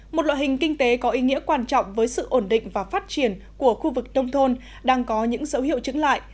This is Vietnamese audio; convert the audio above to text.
một loại hình kinh tế có ý nghĩa quan trọng với sự ổn định và phát triển của khu vực đông thôn đang có những dấu hiệu chứng lại